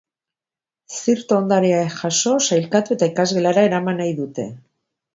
Zirto ondarea jaso, sailkatu, eta ikasgelara eraman nahi dute.